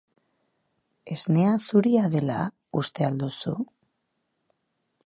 Esnea zuria dela uste al duzu?